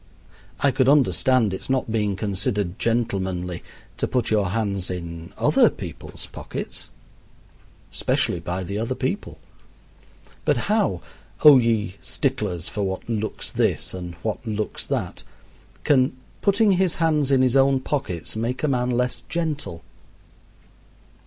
I could understand its not being considered gentlemanly to put your hands in other people's pockets (especially by the other people), but how, O ye sticklers for what looks this and what looks that, can putting his hands in his own pockets make a man less gentle?